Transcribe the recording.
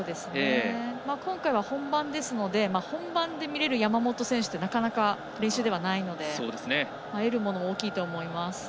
今回は本番ですので本番で見れる山本選手ってなかなか練習ではないので得るものも大きいと思います。